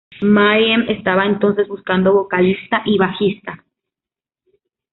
Mayhem, estaba entonces buscando vocalista y bajista.